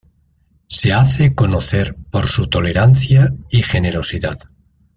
Se hace conocer por su tolerancia y generosidad.